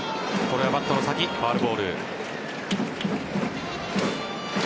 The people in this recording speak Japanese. これはバットの先ファウルボール。